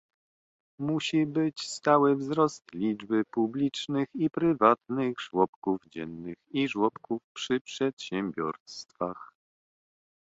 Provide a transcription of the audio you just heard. Musi być stały wzrost liczby publicznych i prywatnych żłobków dziennych i żłobków przy przedsiębiorstwach